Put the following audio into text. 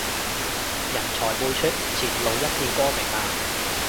人才輩出，前路一片光明啊